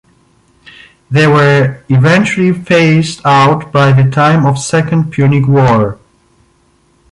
They were eventually phased out by the time of Second Punic War.